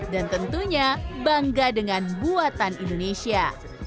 dan tentunya bangga dengan buatan indonesia